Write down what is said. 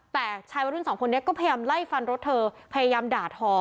แต่ชายวัยรุ่นสองคนนี้ก็พยายามไล่ฟันรถเธอพยายามด่าทอ